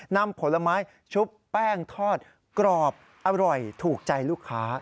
นำผลไม้ชุบแป้งทอดกรอบอร่อยถูกใจลูกค้า